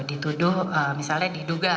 dituduh misalnya diduga